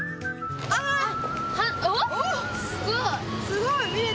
すごい。